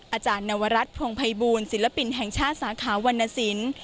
อาจารย์นวรัฐพงภัยบูลศิลปินแห่งชาติสาขาวรรณสิน